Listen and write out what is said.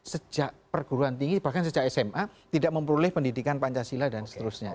sejak perguruan tinggi bahkan sejak sma tidak memperoleh pendidikan pancasila dan seterusnya